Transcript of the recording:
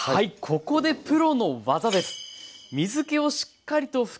ここでプロの技です！